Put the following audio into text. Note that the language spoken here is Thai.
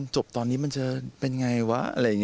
จบตอนนี้มันจะเป็นไงวะ